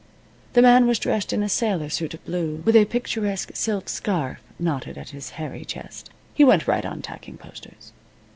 The man was dressed in a sailor suit of blue, with a picturesque silk scarf knotted at his hairy chest. He went right on tacking posters.